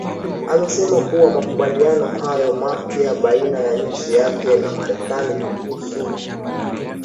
amesema kuwa makubaliano hayo mapya baina ya nchi yake na marekani kuhusu nyuklia